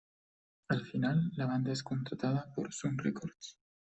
Al final, la banda es contratada por Sun Records.